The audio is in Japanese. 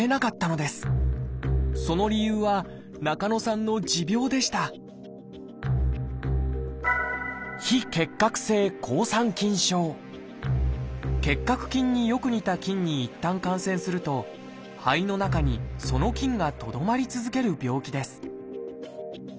その理由は中野さんの持病でした結核菌によく似た菌にいったん感染すると肺の中にその菌がとどまり続ける病気です